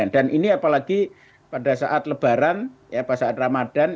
dan ini apalagi pada saat lebaran pada saat ramadhan